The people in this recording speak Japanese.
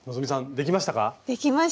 できました。